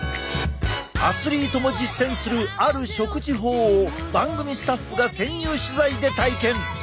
アスリートも実践するある食事法を番組スタッフが潜入取材で体験！